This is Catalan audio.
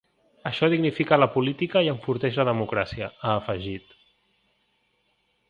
Això dignifica la política i enforteix la democràcia, ha afegit.